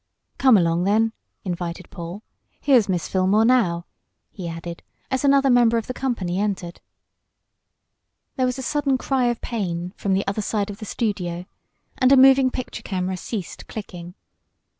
"Come along then!" invited Paul. "Here's Miss Fillmore now," he added, as another member of the company entered. There was a sudden cry of pain from the other side of the studio, and a moving picture camera ceased clicking.